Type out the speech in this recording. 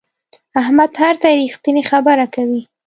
احمد هر ځای رښتینې خبره کوي.